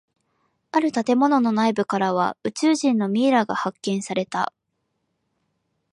あの建物の内部からは宇宙人のミイラが発見された。